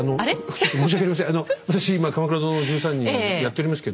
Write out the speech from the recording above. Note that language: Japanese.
副所長申し訳ありません